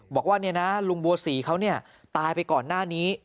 บอกว่าลุงบัวศรีเขาตายไปก่อนหน้านี้